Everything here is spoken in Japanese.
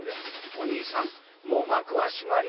「『おにいさんもう幕は閉まりました』」。